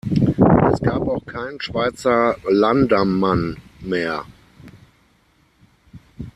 Es gab auch keinen Schweizer Landammann mehr.